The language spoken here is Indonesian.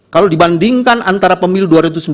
kalau dibandingkan antara pemilu dua ribu sembilan belas